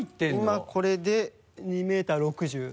今これで２ｍ６０ｃｍ。